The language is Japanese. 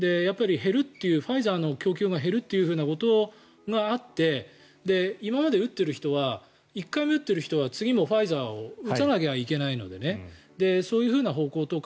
ファイザーの供給が減るということがあって今まで打っている人は１回目打っている人は次もファイザーを打たないといけないのでそういうふうな方向とか。